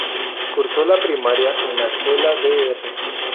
Cursó la primaria en la Escuela Dr.